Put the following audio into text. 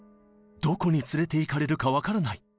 「どこに連れていかれるか分からない」